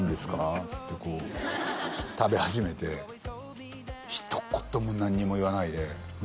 っつってこう食べ始めてひと言も何も言わないでうわ